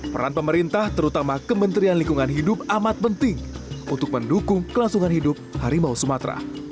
peran pemerintah terutama kementerian lingkungan hidup amat penting untuk mendukung kelangsungan hidup harimau sumatera